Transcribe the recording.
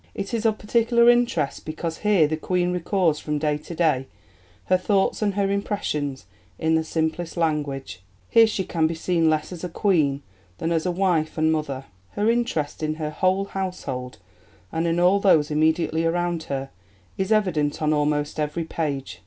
It is of particular interest because here the Queen records from day to day her thoughts and her impressions in the simplest language; here she can be seen less as a queen than as a wife and mother. Her interest in her whole household and in all those immediately around her is evident on almost every page.